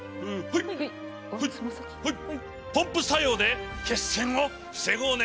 ポンプ作用で血栓を防ごうね。